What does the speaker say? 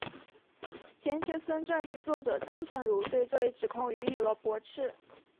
钱学森传记作者张纯如对这一指控予以了驳斥。